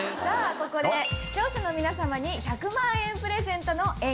さあここで視聴者の皆さまに１００万円プレゼントのＥＮＧＥＩ